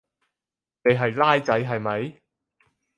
你係孻仔係咪？